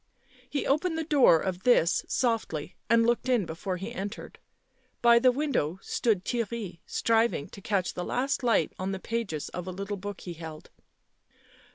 He opened the door of this softly and looked in before he entered. By the window stood Theirry striving to catch the last light on the pages of a little book he held.